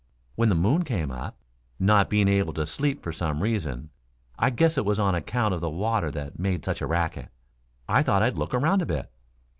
When the moon came up, not being able to sleep, for some reason I guess it was on account of the water that made such a racket, I thought I'd look around a bit.